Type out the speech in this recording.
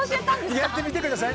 やってみてください。